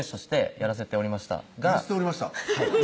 やらせておりました？